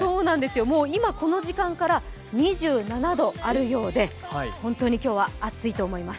今この時間から２７度あるようで、本当に今日は暑いと思います